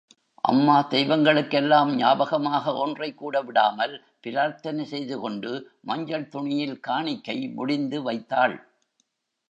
அம்மா, தெய்வங்களுக்கெல்லாம், ஞாபகமாக ஒன்றைக்கூட விடாமல், பிரார்த்தனை செய்துகொண்டு மஞ்சள் துணியில் காணிக்கை முடிந்துவைத்தாள்.